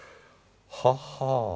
ははあ